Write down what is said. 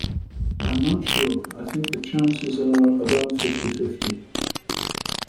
I'm not sure; I think the chances are about fifty-fifty